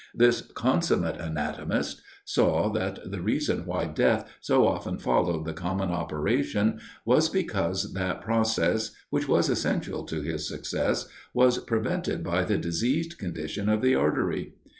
This consummate anatomist saw, that the reason why death so often followed the common operation was, because that process which was essential to his success was prevented by the diseased condition of the artery.